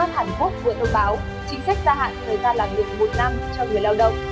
hàn quốc vừa thông báo chính sách gia hạn thời gian làm việc một năm cho người lao động